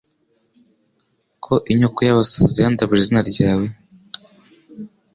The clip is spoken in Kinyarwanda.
ko inyoko y’abasazi yandavuje izina ryawe